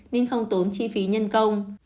nên không tốn chi phí nhân công